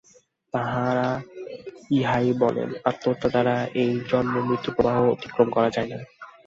তাঁহারা ইহাও বলেন, আত্মহত্যা দ্বারা এই জন্মমৃত্যুপ্রবাহ অতিক্রম করা যায় না।